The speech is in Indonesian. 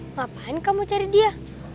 kenapa kamu cari dia